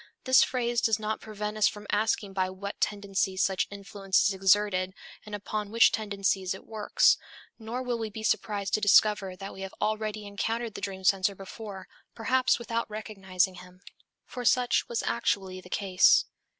This phrase does not prevent us from asking by what tendencies such influence is exerted and upon which tendencies it works; nor will we be surprised to discover that we have already encountered the dream censor before, perhaps without recognizing him. For such was actually the case.